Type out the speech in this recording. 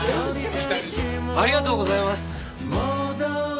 ありがとうございます。